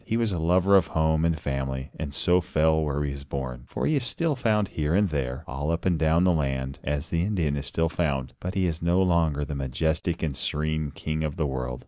He was a lover of home and family, and so fell where he was born. For he is still found here and there, all up and down the land, as the Indian is still found, but he is no longer the majestic and serene king of the world.